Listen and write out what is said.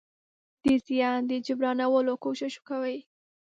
د زيان د جبرانولو کوشش کوي.